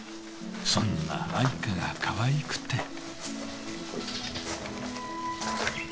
そんな愛華がかわいくて。